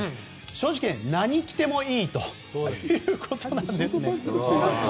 正直、何を着てもいいということなんです。